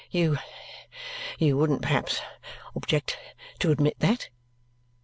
You you wouldn't perhaps object to admit that?